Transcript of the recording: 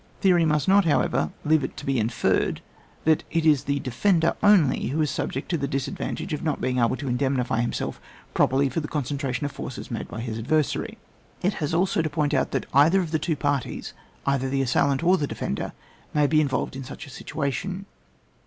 Theory must not, however, leave it to be inferred that it is the defender only who is subject to the disadvantage of not being able to indemnify himself properly for the concentration of forces made by his adversary; it has also to 164 ON WAR. point out that either of the two parties, either the assailant or the defender, may be involved in such a situation.